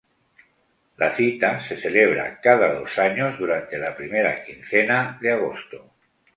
La cita se celebra cada dos años, durante la primera quincena de agosto.